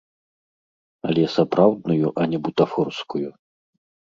Але сапраўдную, а не бутафорскую.